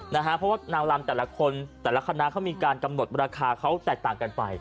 เพราะว่านางลำแต่ละคนแต่ละคณะเขามีการกำหนดราคาเขาแตกต่างกันไป